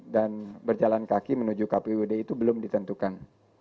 dan berjalan kaki menuju kpud itu belum ditentukan